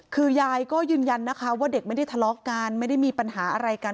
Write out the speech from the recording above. คือยายก็ยืนยันนะคะว่าเด็กไม่ได้ทะเลาะกันไม่ได้มีปัญหาอะไรกัน